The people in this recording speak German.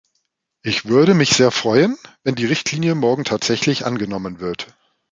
Ich würde mich sehr freuen, wenn die Richtlinie morgen tatsächlich angenommen wird.